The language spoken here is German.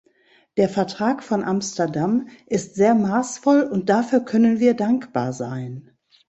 Der Vertrag von Amsterdam ist sehr maßvoll, und dafür können wir dankbar sein.